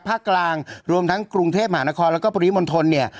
ภาคกลางรวมทั้งกรุงเทพมหานครแล้วก็ปริมณฑลเนี่ย